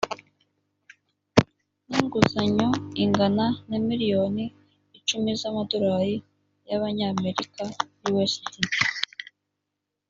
n inguzanyo ingana na miliyoni icumi z amadolari y abanyamerika usd